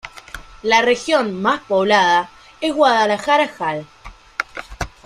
La región más poblada es Guadalajara, Jal.